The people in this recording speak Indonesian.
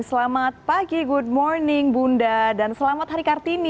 selamat pagi good morning bunda dan selamat hari kartini